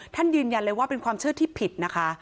ยืนยันเลยว่าเป็นความเชื่อที่ผิดนะคะ